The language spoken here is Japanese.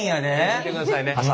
見てください。